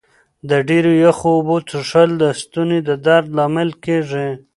د ډېرو یخو اوبو څښل د ستوني د درد لامل کېږي.